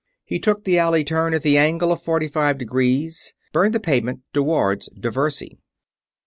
He took the alley turn at an angle of forty five degrees; burned the pavement toward Diversey.